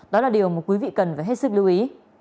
đó là điều mà quý vị cần phải hết sức lưu ý